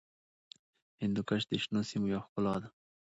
هندوکش د شنو سیمو یوه ښکلا ده.